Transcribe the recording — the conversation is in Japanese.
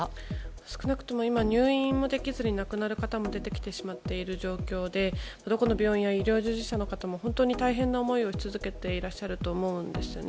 少なくとも今、入院もできずに亡くなる方も出てきてしまっている状況で病院や医療従事者の方も本当に大変な思いをしつづけていらっしゃると思うんですね。